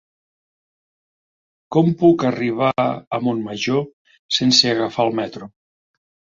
Com puc arribar a Montmajor sense agafar el metro?